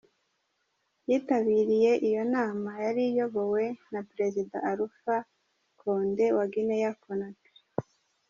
Yitabiriye iyo nama yari iyobowe na Perezida Alpha Conde wa Guinea Conakry.